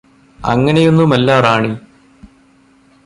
അങ്ങനെയൊന്നുമല്ലാ റാണി